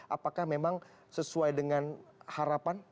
apakah memang sesuai dengan harapan